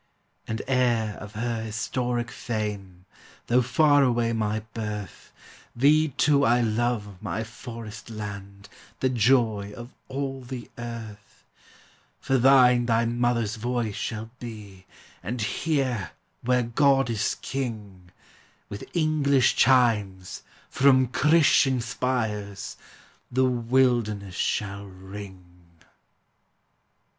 And heir of her historic fame, Though far away my birth, Thee, too, I love, my Forest land, The joy of all the earth; For thine thy mother's voice shall be, And here, where God is king, With English chimes, from Christian spires, The wilderness shall ring.